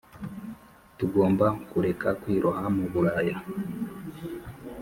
tugomba kureka kwiroha mu buraya